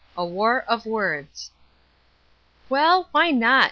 A WAR OF WORDS. "Well, why not?"